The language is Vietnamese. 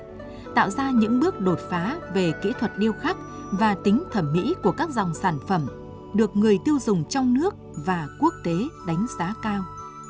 để tạo ra những sản phẩm đồ gỗ mỹ nghệ cao cấp các nghệ nhân điêu khắc và tính thẩm mỹ của các dòng sản phẩm được người tiêu dùng trong nước và quốc tế đánh giá cao